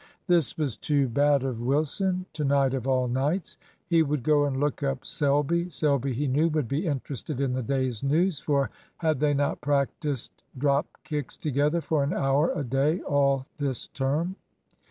This was too bad of Wilson to night of all nights. He would go and look up Selby. Selby, he knew, would be interested in the day's news, for had they not practised drop kicks together for an hour a day all this term?